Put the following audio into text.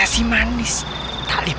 aduh aduh aduh